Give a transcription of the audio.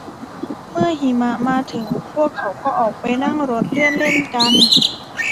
เมื่อหิมะมาถึงพวกเขาก็ออกไปนั่งรถเลื่อนเล่นกัน